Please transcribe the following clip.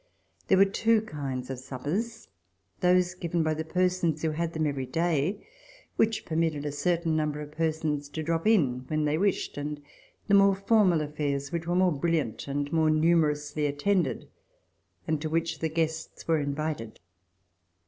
There were two kinds of suppers — those given by persons who had them every day, which permitted a certain number of persons to drop in when they wished, and the more formal affairs, which were more brilliant and more numerously attended, and to which the guests were invited.